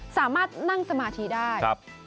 สามารถนั่งสมาธิได้